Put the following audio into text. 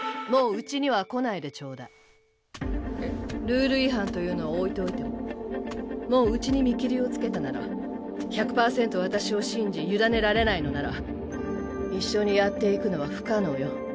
ルール違反というのは置いておいてももううちに見切りをつけたなら１００％私を信じ委ねられないのなら一緒にやっていくのは不可能よ。